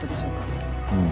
うん。